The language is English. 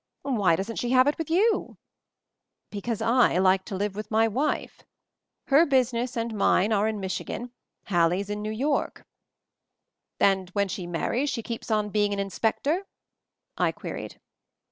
Why doesn't she have it with you?" Because I like to live with my wife. Her business, and mine, are in Michigan; Hal lie's in New York." "And when she marries she keeps on be ing an inspector?" I queried.